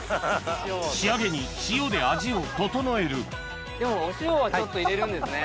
仕上げに塩で味を調えるでもお塩はちょっと入れるんですね。